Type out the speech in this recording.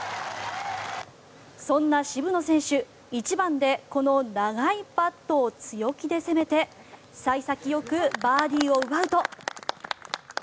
そんな渋野選手、１番でこの長いパットを強気で攻めて幸先よくバーディーを奪うと。